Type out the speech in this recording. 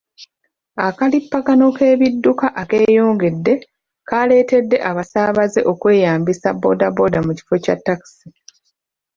Akalippagano k'ebidduka akeyongedde kaleetedde abasaabaze okweyambisa boodabooda mu kifo kya takisi.